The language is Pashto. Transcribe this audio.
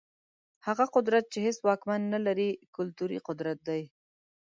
هغه قدرت چي هيڅ واکمن نلري، کلتوري قدرت دی.